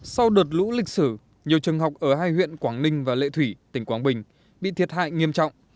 sau đợt lũ lịch sử nhiều trường học ở hai huyện quảng ninh và lệ thủy tỉnh quảng bình bị thiệt hại nghiêm trọng